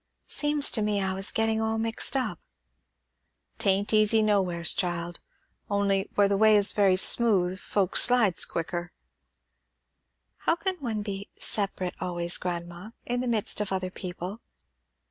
"Seems to me I was getting all mixed up." "'Tain't easy nowheres, child. Only, where the way is very smooth, folks slides quicker." "How can one be 'separate' always, grandma, in the midst of other people?"